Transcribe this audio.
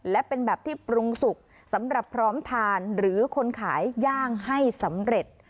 และเป็นแบบที่ปรุงสุกสำหรับพร้อมทานหรือคนขายย่างให้สำเร็จ